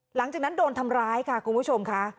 หลังจากนั้นโดนทำร้ายค่ะคุณผู้ชมค่ะ